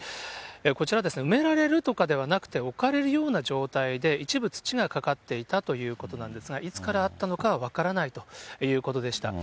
こちら、埋められるとかではなくて、置かれるような状態で一部、土がかかっていたということなんですが、いつからあったのかは分からないということでした。